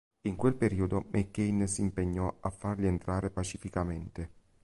In quel periodo, McCain si impegnò a farli entrare pacificamente.